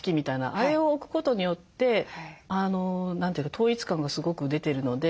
あれを置くことによって統一感がすごく出てるので。